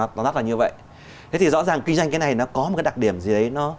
thế thì rõ ràng kinh doanh này có một đặc điểm gì đấy